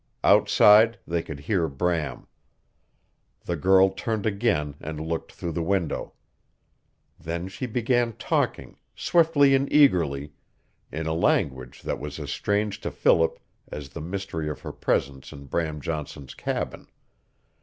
Outside they could hear Bram. The girl turned again and looked through the window. Then she began talking, swiftly and eagerly, in a language that was as strange to Philip as the mystery of her presence in Bram Johnson's cabin.